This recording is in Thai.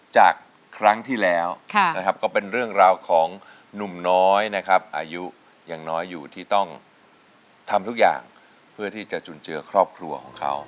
จากครั้งที่แล้วก็เป็นเรื่องราวของหนุ่มน้อยนะครับอายุยังน้อยอยู่ที่ต้องทำทุกอย่างเพื่อที่จะจุนเจือครอบครัวของเขา